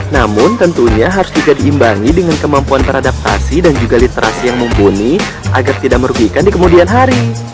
namun tentunya harus juga diimbangi dengan kemampuan beradaptasi dan juga literasi yang mumpuni agar tidak merugikan di kemudian hari